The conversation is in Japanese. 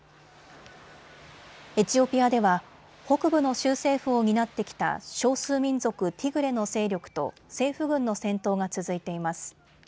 エチオピアでは北部の州政府を担ってきた少数民族ティグレの勢力と政府軍の戦闘が続いています。